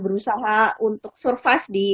berusaha untuk survive di